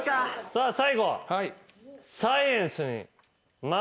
さあ最後。